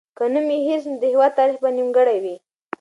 که نوم یې هېر سي، نو د هېواد تاریخ به نیمګړی وي.